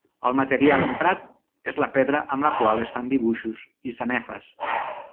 El material emprat és la pedra amb la qual es fan dibuixos i sanefes.